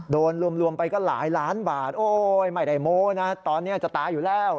รวมรวมไปก็หลายล้านบาทโอ้ยไม่ได้โม้นะตอนนี้จะตายอยู่แล้ว